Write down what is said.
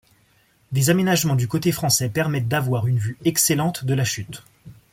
Des aménagements du côté français permettent d'avoir une vue excellente de la chute.